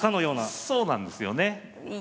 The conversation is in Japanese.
まあそうなんですよね。